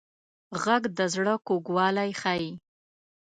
غږ د زړه کوږوالی ښيي